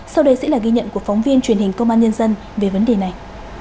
sau đây sẽ là ghi nhận của phóng viên truyền hình công an nhân dân về vấn đề này